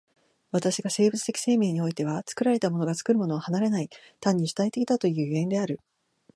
私が生物的生命においては作られたものが作るものを離れない、単に主体的だという所以である。